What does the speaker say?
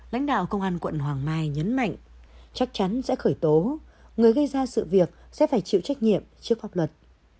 lãnh đạo công an quận hoàng mai nhấn mạnh chắc chắn sẽ khởi tố người gây ra sự việc sẽ phải chịu trách nhiệm trước pháp luật